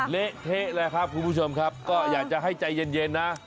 เละเทะเลยครับคุณผู้ชมครับก็อยากจะให้ใจเย็นนะ